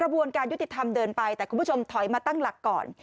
บวนการยุติธรรมเดินไปแต่คุณผู้ชมถอยมาตั้งหลักก่อน